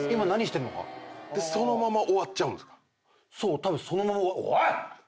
たぶんそのまま。